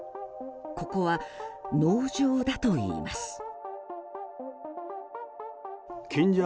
ここは農場だといいます。